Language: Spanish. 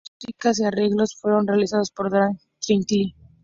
Toda la músicas y arreglos fueron realizados por Dark Tranquillity